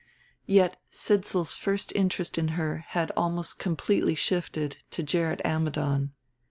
Yet Sidsall's first interest in her had almost completely shifted to Gerrit Ammidon.